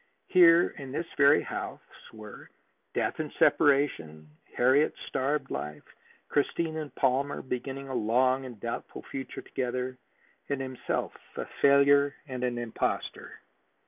Here in this very house were death and separation; Harriet's starved life; Christine and Palmer beginning a long and doubtful future together; himself, a failure, and an impostor.